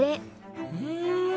「うん」